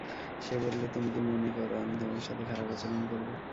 সে বলল, তুমি কি মনে কর, আমি তোমার সাথে খারাপ আচরণ করব।